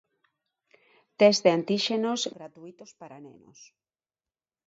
Tests de antíxenos gratuítos para nenos.